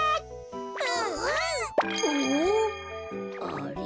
あれ？